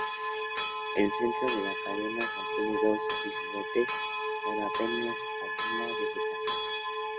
El centro de la cadena contiene dos islotes con apenas o nula vegetación.